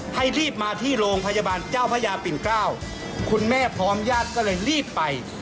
ให้รีบมาที่โรงพยาบาลเจ้าพระยาปิ่นเกล้าคุณแม่พร้อมญาติก็เลยรีบไป